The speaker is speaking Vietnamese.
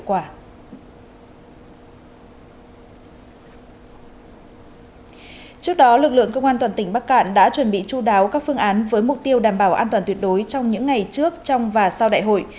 trước đó lực lượng công an toàn tỉnh bắc cạn đã chuẩn bị chú đáo các phương án với mục tiêu đảm bảo an toàn tuyệt đối trong những ngày trước trong và sau đại hội